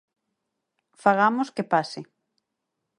Fagamos que pase.